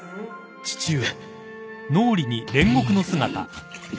父上。